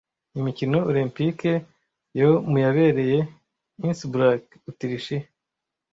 Imikino Olempike yo mu yabereye Innsbruck Otirishiya